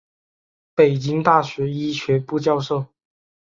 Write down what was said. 北京大学医学部教授。